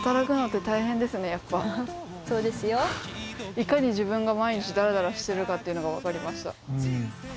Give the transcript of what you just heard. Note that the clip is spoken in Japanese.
いかに自分が毎日ダラダラしてるかっていうのがわかりました。